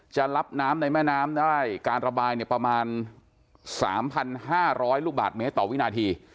จะรับน้ำในแม่น้ำได้การระบายประมาณ๓๕๐๐ลูกบาทเมตรต่อวินาที